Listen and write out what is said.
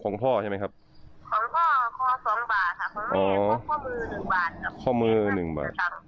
ของพ่อคอ๒บาทค่ะเพราะว่ามีข้อมือ๑บาท